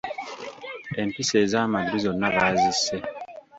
Empisi ez’amaddu zonna baazisse.